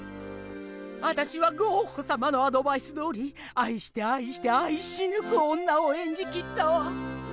あたしはゴッホさまのアドバイスどおり愛して愛して愛しぬく女を演じきったわ。